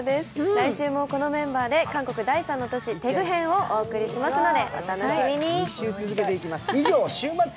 来週もこのメンバーで韓国第３の都市、テグ編をお届けしますので、お楽しみに。